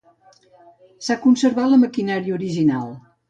S'ha conservat la maquinària original.